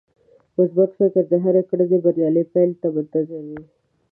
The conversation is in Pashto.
مثبت فکر د هرې کړنې بريالۍ پايلې ته منتظر وي.